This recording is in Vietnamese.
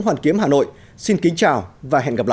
hoàn kiếm hà nội xin kính chào và hẹn gặp lại